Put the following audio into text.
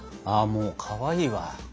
あもうかわいいわ。